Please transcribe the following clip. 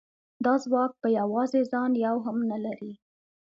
دا ځواک په یوازې ځان یو هم نه لري